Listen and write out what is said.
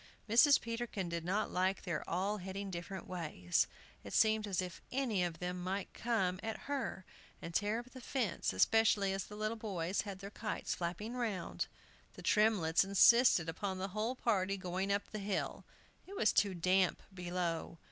Mrs. Peterkin did not like their all heading different ways; it seemed as if any of them might come at her, and tear up the fence, especially as the little boys had their kites flapping round. The Tremletts insisted upon the whole party going up the hill; it was too damp below.